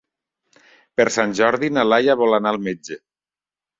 Per Sant Jordi na Laia vol anar al metge.